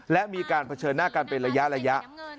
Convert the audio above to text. และมีการเผชิญหน้ากันเป็นระยะ